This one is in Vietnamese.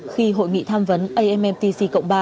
khi hội nghị tham vấn ammtc cộng ba